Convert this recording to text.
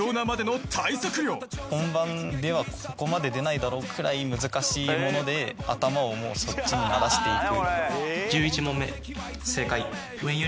・本番ではここまで出ないだろうくらい難しいもので頭をもうそっちに慣らしていく。